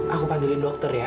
aku panggilin dokter ya